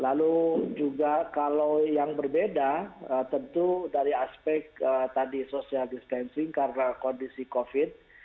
lalu juga kalau yang berbeda tentu dari aspek tadi social distancing karena kondisi covid